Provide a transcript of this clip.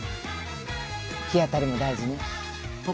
日当たりも大事ね。